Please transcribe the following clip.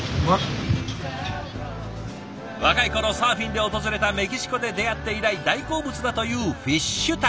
若い頃サーフィンで訪れたメキシコで出会って以来大好物だというフィッシュタコ。